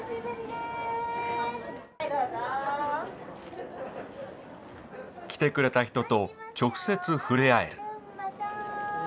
はいどうぞ。来てくれた人と直接触れ合える。